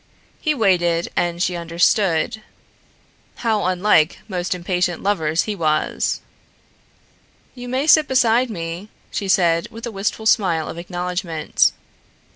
He waited and she understood. How unlike most impatient lovers he was! "You may sit beside me," she said with a wistful smile of acknowledgment.